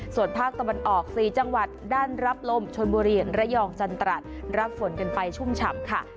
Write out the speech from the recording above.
ส่วนภาคตะวันออก๔จังหวัดด้านรับลมชนบุรีระยองจันตรัสรับฝนกันไปชุ่มฉ่ำค่ะ